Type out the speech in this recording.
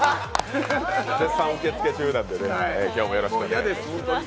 絶賛受付中なんで、今日もよろしくお願いします。